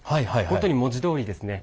本当に文字どおりですね